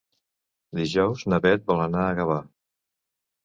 Dijous na Beth vol anar a Gavà.